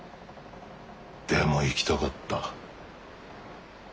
でも生きたかった。